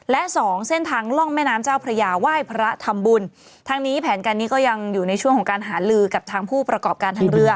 และสองเส้นทางล่องแม่น้ำเจ้าพระยาไหว้พระทำบุญทางนี้แผนการนี้ก็ยังอยู่ในช่วงของการหาลือกับทางผู้ประกอบการทางเรือ